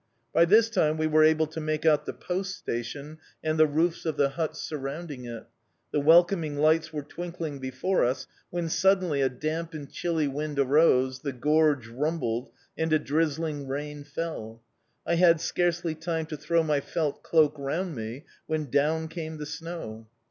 By this time we were able to make out the Post Station and the roofs of the huts surrounding it; the welcoming lights were twinkling before us, when suddenly a damp and chilly wind arose, the gorge rumbled, and a drizzling rain fell. I had scarcely time to throw my felt cloak round me when down came the snow.